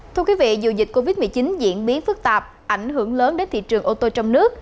thưa quý vị dù dịch covid một mươi chín diễn biến phức tạp ảnh hưởng lớn đến thị trường ô tô trong nước